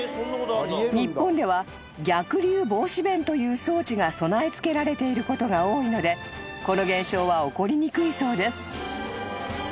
［日本では逆流防止弁という装置が備え付けられていることが多いのでこの現象は起こりにくいそうです］